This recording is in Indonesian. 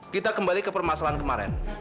kita kembali ke permasalahan kemarin